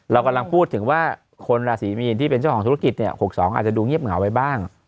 เรากำลังพูดถึงว่าคนราศีมีนที่เป็นเจ้าของธุรกิจ๖๒อาจจะดูเงียบเหงาไปบ้าง